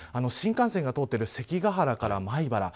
新幹線が通っている関ヶ原から米原。